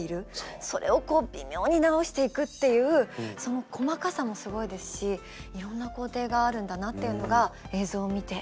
それを微妙に直していくっていうその細かさもすごいですしいろんな工程があるんだなっていうのが映像を見てよく分かりました。